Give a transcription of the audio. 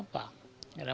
enggak ada masalah